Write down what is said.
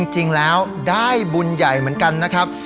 จริงแล้วได้บุญใหญ่เหมือนกันนะครับ